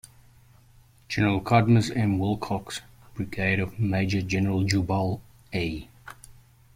Gen. Cadmus M. Wilcox's brigade of Maj. Gen. Jubal A.